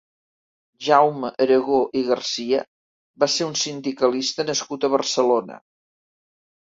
Jaume Aragó i Garcia va ser un sindicalista nascut a Barcelona.